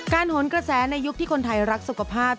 โหนกระแสในยุคที่คนไทยรักสุขภาพ